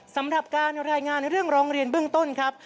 สำหรับการรายงานเรื่องร้องเรียนเบื้องต้นครับ